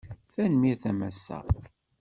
Tanmirt a massa